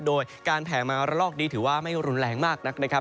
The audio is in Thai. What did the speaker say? โดยการแผ่มาระลอกนี้ถือว่าไม่รุนแรงมากนักนะครับ